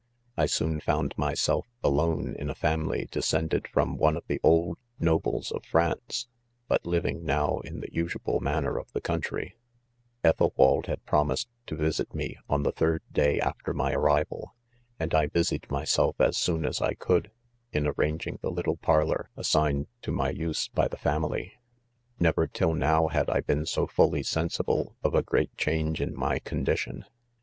I soon found myself, alone, in a family descend ed from one of the old nobles of France, but living, now, in the usual manner of the conn 4 Ethelwald had promised to visit me, on the third day after my arrival 3 and I busied myself as soon as i could^ in arranging the little par lor assigned to my use, by the family. 4 Never till now, had I been so fully sensible of a great change in my condition.